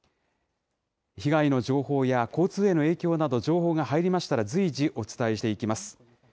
被害の情報や交通への影響など情報が入りましたら随時、お伝えしていきます。